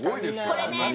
これね